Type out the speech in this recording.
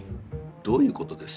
どういうことです？